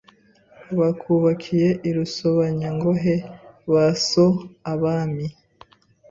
Bakubakiye i Rusobanyangohe ba so Abami